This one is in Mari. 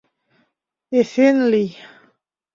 — Эсен лий!